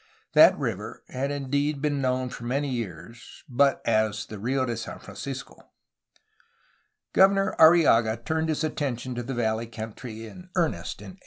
That river had indeed been known for many years, but as the "Rfo de San Francisco." Governor Arrillaga turned his attention to the valley country in earnest in 1806.